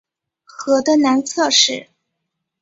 河的南侧是。